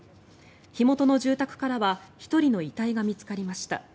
火元の住宅からは１人の遺体が見つかりました。